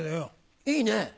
いいね。